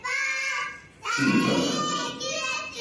Ti likak.